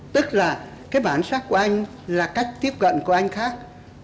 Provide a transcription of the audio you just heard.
tức là cái bản sắc của anh là cách tiếp cận của anh khác